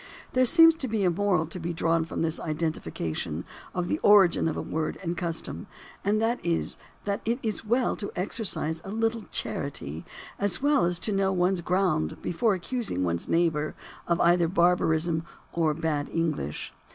There seems to be a moral to be drawn from this identification of the origin of a word and custom, and that is that it is well to exercise a little charity as well as to know one's ground before accusing one's neighbor of either barbarism or bad English.